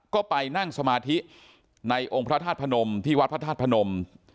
ก็ไปนั่งสมาธิในองค์พระธาตุพนมที่วัดพระธาตุพนม